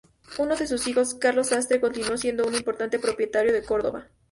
Uno de sus hijos, Carlos Sastre, continuó siendo un importante propietario en Córdoba.